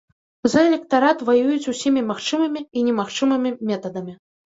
За электарат ваююць усімі магчымымі і немагчымымі метадамі.